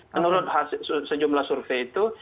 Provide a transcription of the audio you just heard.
menurut sejumlah survei itu